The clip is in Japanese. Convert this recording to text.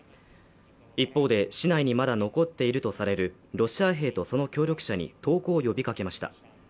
一方で市内にまだ残っているとされるロシア兵とその協力者に投降を呼びかけました